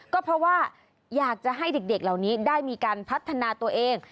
ก็เพราะว่าอยากจะให้เด็กเหล่านี้ได้มีการพัฒนาตัวเอง